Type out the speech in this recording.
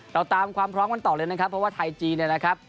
เราตามความพร้อมกันต่อเลยนะครับเพราะว่าไทยจีนเนี่ยนะครับ